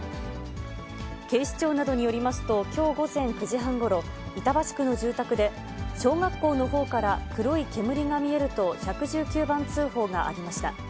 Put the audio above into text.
警視庁などによりますと、きょう午前９時半ごろ、板橋区の住宅で、小学校のほうから黒い煙が見えると１１９番通報がありました。